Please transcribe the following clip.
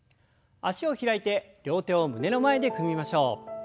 脚を開いて両手を胸の前で組みましょう。